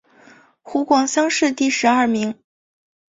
湖广乡试第十二名。